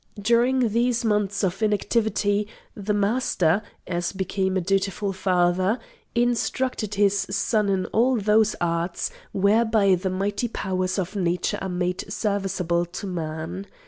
During these months of inactivity the Master, as became a dutiful father, instructed his son in all those arts whereby the mighty powers of Nature are made serviceable to man.